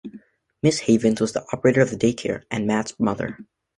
Miss Havens was the operator of the day care and Matt's mother.